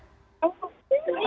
ini tidak ada